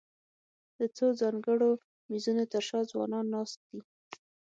د څو ځانګړو مېزونو تر شا ځوانان ناست دي.